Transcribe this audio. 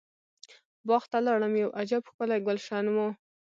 باغ ته لاړم یو عجب ښکلی ګلشن و.